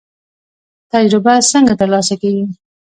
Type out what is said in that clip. تجربه څنګه ترلاسه کیږي؟